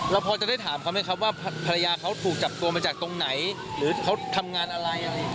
แล้วพอจะได้ถามเขาไหมครับว่าภรรยาเขาถูกจับตัวมาจากทุกไหนหรือเขาทำงานอะไร